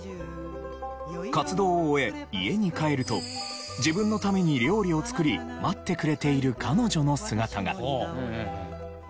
活動を終え家に帰ると自分のために料理を作り待ってくれている彼女の姿が。